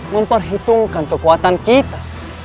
memperhitungkan kekuatan kita